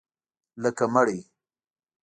لکه مړی